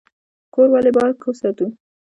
کور ولې پاک وساتو؟